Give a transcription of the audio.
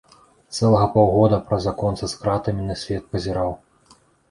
Цэлага паўгода праз аконца з кратамі на свет пазіраў.